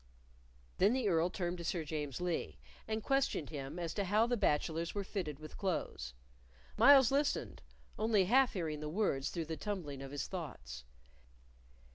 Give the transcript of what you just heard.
Then the Earl turned to Sir James Lee, and questioned him as to how the bachelors were fitted with clothes. Myles listened, only half hearing the words through the tumbling of his thoughts.